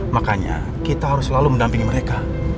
makanya kita harus selalu mendampingi mereka